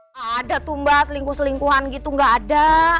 gak ada tuh mba selingkuh selingkuhan gitu gak ada